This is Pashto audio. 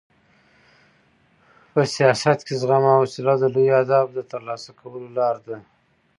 په سیاست کې زغم او حوصله د لویو اهدافو د ترلاسه کولو لار ده.